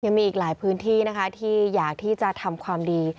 ยังมีอีกหลายพื้นที่นะคะที่อยากที่จะทำความดี